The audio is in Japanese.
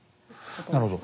なるほど。